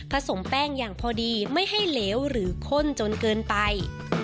สมแป้งอย่างพอดีไม่ให้เหลวหรือข้นจนเกินไป